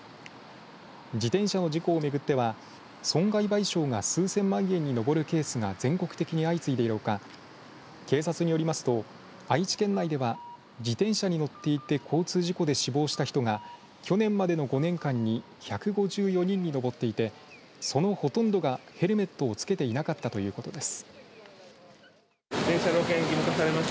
自転車の事故をめぐっては損害賠償が数千万円に上るケースが全国的に相次いでいるほか警察によりますと愛知県内では自転車に乗っていて交通事故で死亡した人が去年までの５年間に１５４人に上っていてそのほとんどがヘルメットを付けていなかったということです。